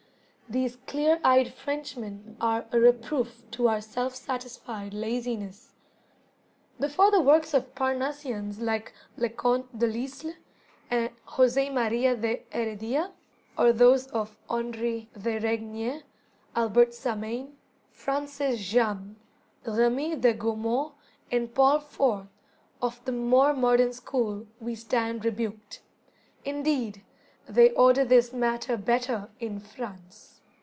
These clear eyed Frenchmen are a reproof to our self satisfied laziness. Before the works of Parnassians like Leconte de Lisle, and José Maria de Heredia, or those of Henri de Régnier, Albert Samain, Francis Jammes, Remy de Gourmont, and Paul Fort, of the more modern school, we stand rebuked. Indeed "They order this matter better in France."